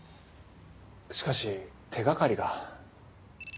しかし手掛かりが。